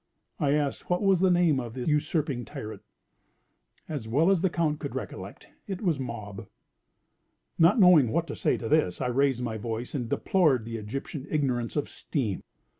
I asked what was the name of the usurping tyrant. As well as the Count could recollect, it was Mob. Not knowing what to say to this, I raised my voice, and deplored the Egyptian ignorance of steam.